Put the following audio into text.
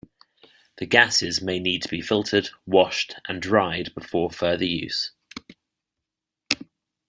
The gases may need to be filtered, washed and dried before further use.